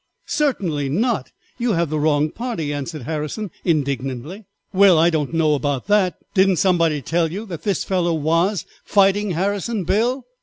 "Certainly not, you have the wrong party," answered Harrison indignantly. "Well, I don't know about that; didn't somebody tell you that this fellow was 'Fighting Harrison,' Bill?"